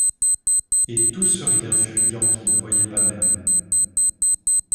Et tout ce rien fuyant qu’il ne voyait pas même